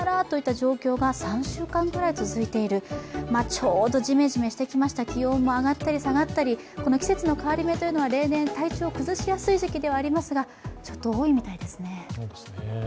ちょうどジメジメしてきました、気温も上がったり下がったり、この季節の変わり目というのは例年、体調を崩しやすい時期ではありますがちょっと多いみたいですね。